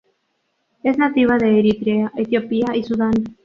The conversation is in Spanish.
Es nativa de Eritrea, Etiopía y Sudán.